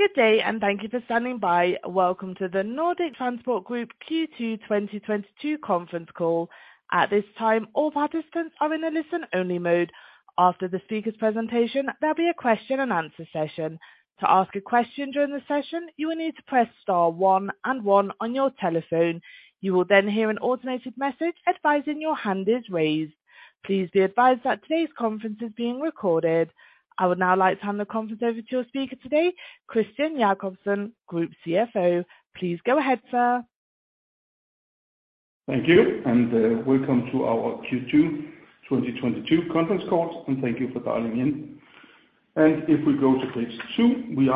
Good day, and thank you for standing by. Welcome to the Nordic Transport Group Q2 2022 conference call. At this time, all participants are in a listen-only mode. After the speaker's presentation, there'll be a question and answer session. To ask a question during the session, you will need to press star one and one on your telephone. You will then hear an automated message advising your hand is raised. Please be advised that today's conference is being recorded. I would now like to hand the conference over to your speaker today, Christian Jakobsen, Group CFO. Please go ahead, sir. Thank you, and welcome to our Q2 2022 conference call. Thank you for dialing in. If we go to page two, we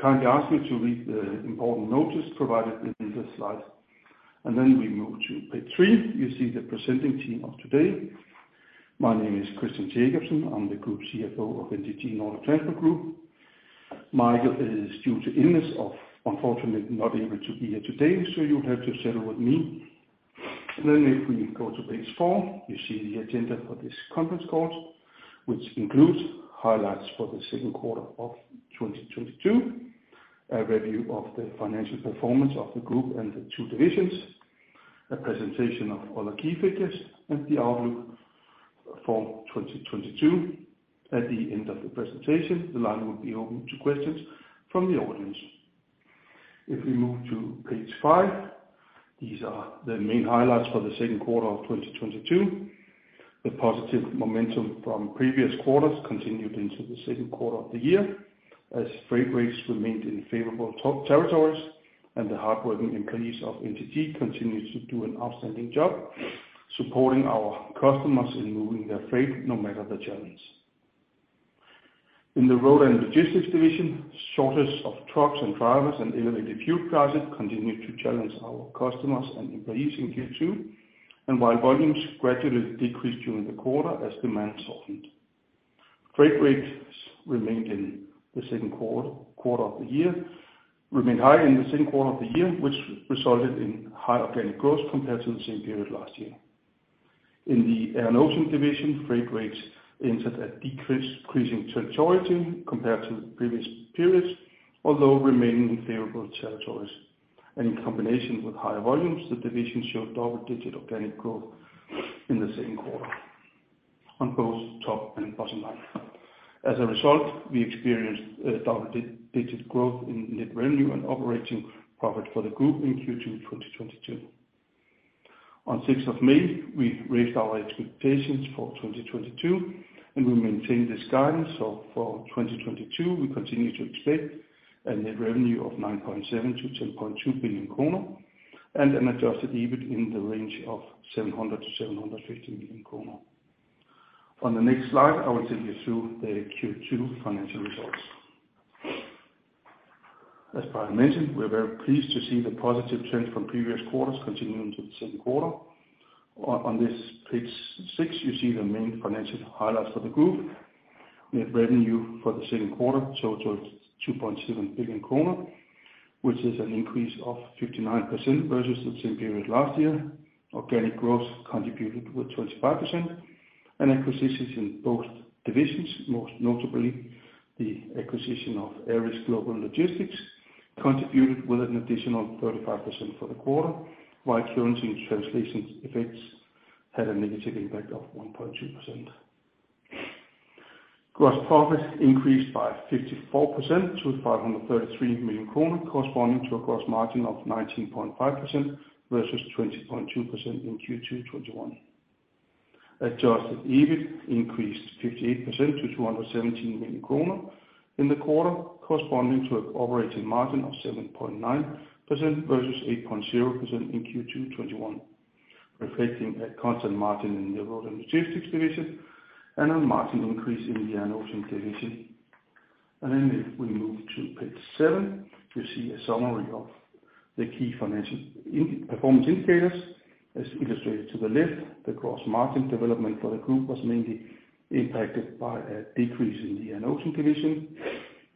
kindly ask you to read the important notice provided in this slide. We move to page three. You see the presenting team of today. My name is Christian Jakobsen. I'm the Group CFO of NTG Nordic Transport Group. Michael is, due to illness, unfortunately not able to be here today, so you'll have to settle with me. If we go to page four, you see the agenda for this conference call, which includes highlights for the second quarter of 2022, a review of the financial performance of the group and the two divisions, a presentation of all the key figures, and the outlook for 2022. At the end of the presentation, the line will be open to questions from the audience. If we move to page five, these are the main highlights for the second quarter 2022. The positive momentum from previous quarters continued into the second quarter of the year as freight rates remained in favorable territories, and the hardworking employees of NTG continues to do an outstanding job supporting our customers in moving their freight, no matter the challenge. In the Road & Logistics division, shortage of trucks and drivers and elevated fuel prices continued to challenge our customers and employees in Q2, and while volumes gradually decreased during the quarter as demand softened. Freight rates remained high in the second quarter of the year, which resulted in high organic growth compared to the same period last year. In the Air & Ocean division, freight rates entered a decrease, increasing territory compared to the previous periods, although remaining in favorable territories. In combination with higher volumes, the division showed double-digit organic growth in the same quarter on both top and bottom line. As a result, we experienced double-digit growth in net revenue and operating profit for the group in Q2 2022. On 6th of May, we raised our expectations for 2022, and we maintain this guidance. For 2022, we continue to expect a net revenue of 9.7 billion-10.2 billion kroner and an adjusted EBIT in the range of 700 million-750 million kroner. On the next slide, I will take you through the Q2 financial results. As I mentioned, we're very pleased to see the positive trends from previous quarters continuing to the second quarter. On this page six, you see the main financial highlights for the group. Net revenue for the second quarter totalled 2.7 billion kroner, which is an increase of 59% versus the same period last year. Organic growth contributed with 25%, and acquisitions in both divisions, most notably the acquisition of Aries Global Logistics, contributed with an additional 35% for the quarter, while currency and translation effects had a negative impact of 1.2%. Gross profit increased by 54% to 533 million kroner, corresponding to a gross margin of 19.5% versus 20.2% in Q2 2021. Adjusted EBIT increased 58% to 217 million kroner in the quarter, corresponding to an operating margin of 7.9% versus 8.0% in Q2 2021, reflecting a constant margin in the Road & Logistics division and a margin increase in the Air & Ocean division. Then if we move to page seven, you see a summary of the key financial performance indicators. As illustrated to the left, the gross margin development for the group was mainly impacted by a decrease in the Air & Ocean division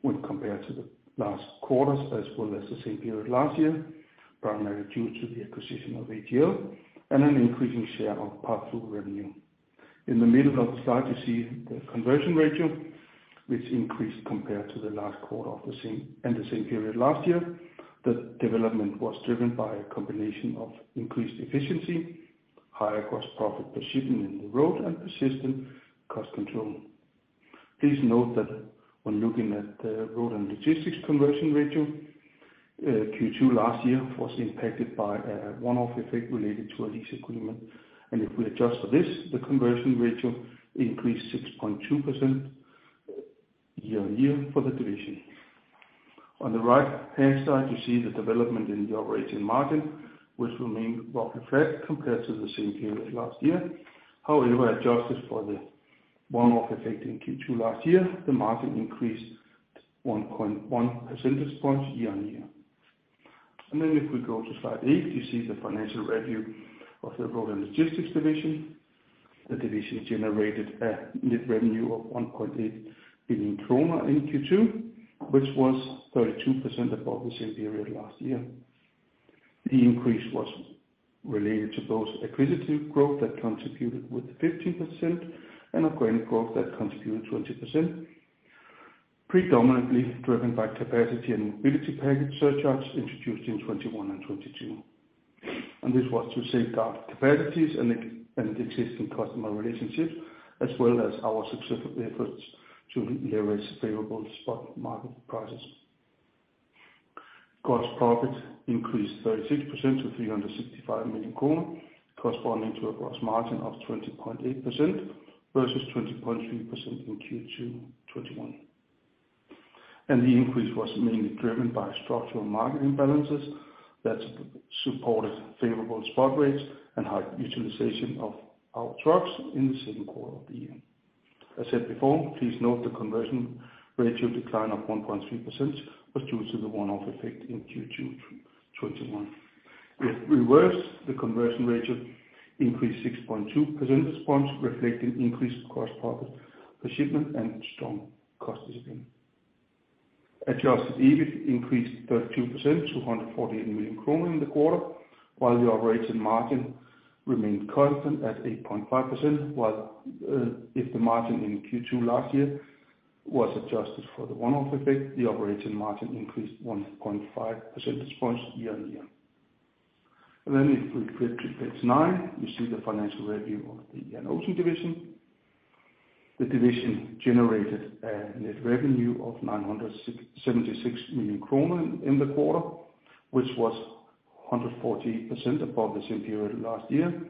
when compared to the last quarters as well as the same period last year, primarily due to the acquisition of AGL and an increasing share of pass-through revenue. In the middle of the slide, you see the conversion ratio, which increased compared to the last quarter of the same and the same period last year. The development was driven by a combination of increased efficiency, higher gross profit per shipment in Road, and persistent cost control. Please note that when looking at the Road & Logistics conversion ratio, Q2 last year was impacted by a one-off effect related to a lease agreement. If we adjust for this, the conversion ratio increased 6.2% year-over-year for the division. On the right-hand side, you see the development in the operating margin, which remained roughly flat compared to the same period last year. However, adjusted for the one-off effect in Q2 last year, the margin increased 1.1 percentage points year-over-year. If we go to slide eight, you see the financial review of the Road & Logistics division. The division generated a net revenue of 1.8 billion kroner in Q2, which was 32% above the same period last year. The increase was related to both acquisitive growth that contributed with 15% and organic growth that contributed 20%. Predominantly driven by capacity and Mobility Package surcharges introduced in 2021 and 2022. This was to safeguard capacities and existing customer relationships, as well as our successful efforts to leverage favorable spot market prices. Gross profit increased 36% to 365 million kroner, corresponding to a gross margin of 20.8% versus 20.3% in Q2 2021. The increase was mainly driven by structural market imbalances that supported favorable spot rates and high utilization of our trucks in the second quarter of the year. As said before, please note the conversion ratio decline of 1.3% was due to the one-off effect in Q2 2021. With reverse, the conversion ratio increased 6.2 percentage points, reflecting increased gross profit per shipment and strong cost discipline. Adjusted EBIT increased 32% to 148 million kroner in the quarter, while the operating margin remained constant at 8.5%. If the margin in Q2 last year was adjusted for the one-off effect, the operating margin increased 1.5 percentage points year-on-year. If we flip to page nine, you see the financial review of the Air & Ocean division. The division generated net revenue of 976 million kroner in the quarter, which was 140% above the same period last year,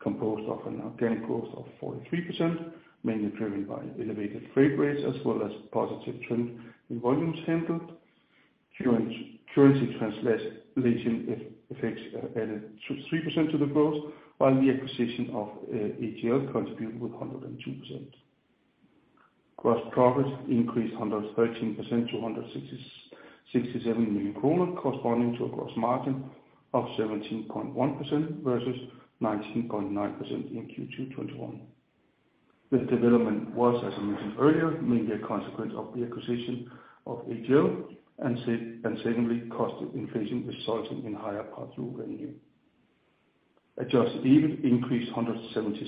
composed of an organic growth of 43%, mainly driven by elevated freight rates as well as positive trend in volumes handled. Currency translation effects added 3% to the growth, while the acquisition of AGL contributed with 102%. Gross profit increased 113% to 167 million kroner, corresponding to a gross margin of 17.1% versus 19.9% in Q2 2021. This development was, as I mentioned earlier, mainly a consequence of the acquisition of AGL, and secondly, cost inflation resulting in higher revenue. Adjusted EBIT increased 176%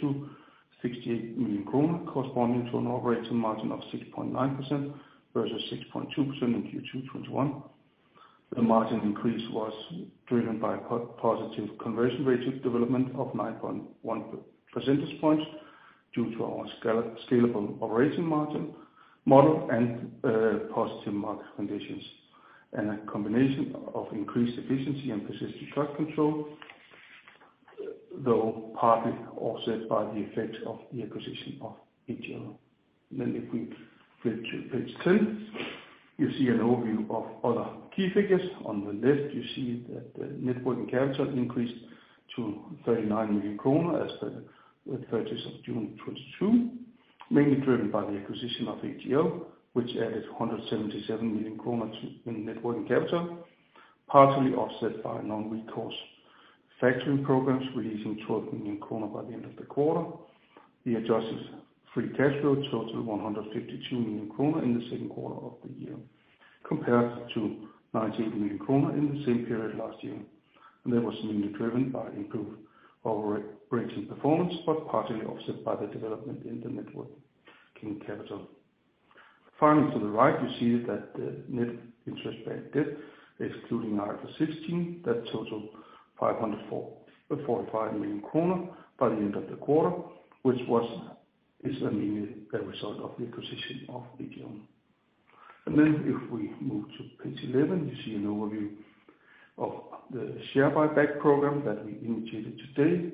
to 68 million kroner, corresponding to an operating margin of 6.9% versus 6.2% in Q2 2021. The margin increase was driven by positive conversion ratio development of 9.1 percentage points due to our scalable operating margin model and positive market conditions. A combination of increased efficiency and persistent cost control, though partly offset by the effects of the acquisition of AGL. If we flip to page 10, you see an overview of other key figures. On the left, you see that the net working capital increased to 39 million kroner as of the thirtieth of June 2022, mainly driven by the acquisition of AGL, which added 177 million kroner to in net working capital, partially offset by non-recourse factoring programs releasing 12 million kroner by the end of the quarter. The adjusted free cash flow totaled 152 million kroner in the second quarter of the year, compared to 98 million kroner in the same period last year. That was mainly driven by improved operating performance, but partly offset by the development in the net working capital. Finally, to the right, you see that the net interest-bearing debt, excluding IFRS 16, that totaled 545 million kroner by the end of the quarter, which was mainly the result of the acquisition of AGL. Then if we move to page 11, you see an overview of the share buyback program that we initiated today.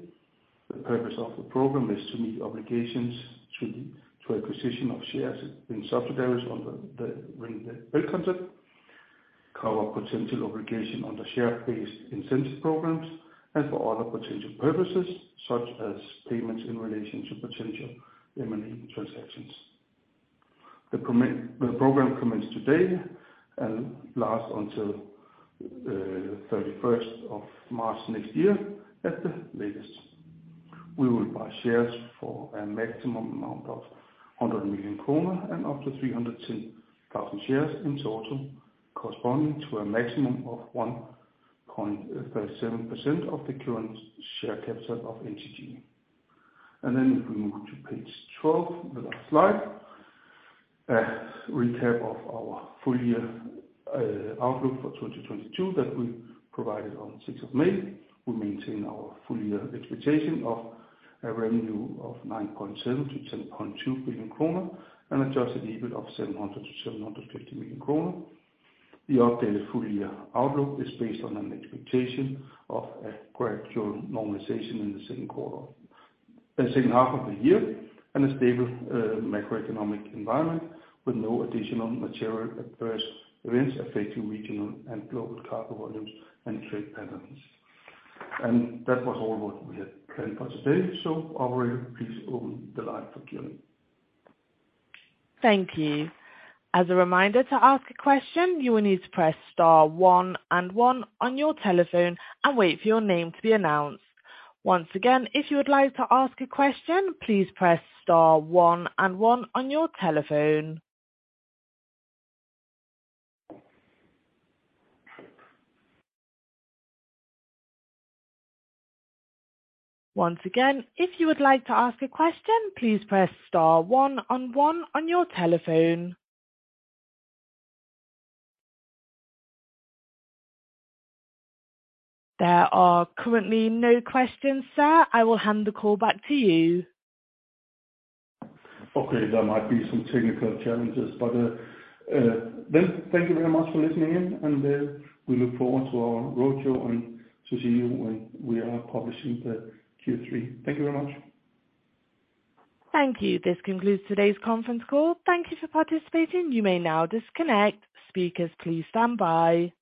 The purpose of the program is to meet the obligations to acquisition of shares in subsidiaries under the Ring-the-Bell concept, cover potential obligation under share-based incentive programs, and for other potential purposes, such as payments in relation to potential M&A transactions. The program commenced today and lasts until the thirty-first of March next year at the latest. We will buy shares for a maximum amount of 100 million kroner and up to 310,000 shares in total, corresponding to a maximum of 1.37% of the current share capital of NTG. If we move to page 12, the last slide. A recap of our full year outlook for 2022 that we provided on 6th of May. We maintain our full year expectation of a revenue of 9.7 billion-10.2 billion kroner and adjusted EBIT of 700 million-750 million kroner. The updated full year outlook is based on an expectation of a gradual normalization in the second half of the year, and a stable macroeconomic environment with no additional material adverse events affecting regional and global cargo volumes and trade patterns. That was all that we had planned for today. Aurelia, please open the line for Q&A. Thank you. As a reminder to ask a question, you will need to press star one and one on your telephone and wait for your name to be announced. Once again, if you would like to ask a question, please press star one and one on your telephone. Once again, if you would like to ask a question, please press star one and one on your telephone. There are currently no questions, sir. I will hand the call back to you. Okay. There might be some technical challenges. Thank you very much for listening in, and we look forward to our roadshow and to see you when we are publishing the Q3. Thank you very much. Thank you. This concludes today's conference call. Thank you for participating. You may now disconnect. Speakers, please stand by.